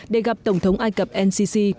để gặp tổng thống ai cập ncc